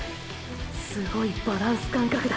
すごいバランス感覚だ。